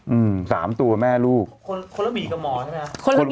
อืมสามตัวแม่ลูกคนละหมีกับหมอใช่ไหม